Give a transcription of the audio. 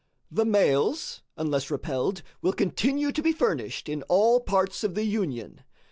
The mails, unless repelled, will continue to be furnished in all parts of the Union.